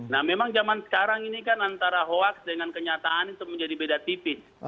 nah memang zaman sekarang ini kan antara hoaks dengan kenyataan itu menjadi beda tipis